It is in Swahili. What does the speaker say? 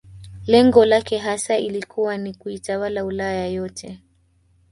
Lengo lake hasa ilikuwa ni kuitawala Ulaya yote